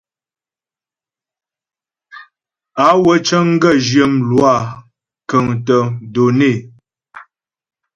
Á wə́ cəŋ gaə̂ zhyə́ mlwâ kə́ŋtə́ données.